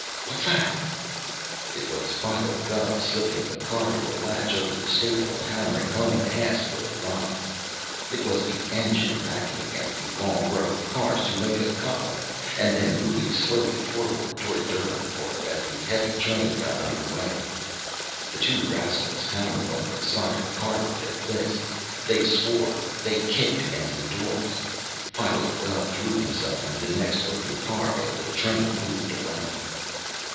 What's that?" It was Philo Gubb, slipping the car door latch over the staple and hammering home the hasp with a rock. It was the engine, backing against the long row of cars to make a coupling, and then moving slowly forward toward Derlingport as the heavy train got under way. The two rascals hammered on the side of the car with their fists. They swore. They kicked against the doors. Philo Gubb drew himself into the next open car as the train moved away.